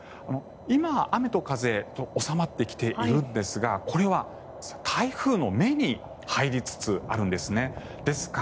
今は雨と風収まってきているんですがこれは台風の目に入りつつあるんですね。